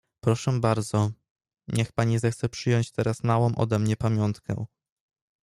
"Proszę bardzo, niech pani zechce przyjąć teraz małą ode mnie pamiątkę."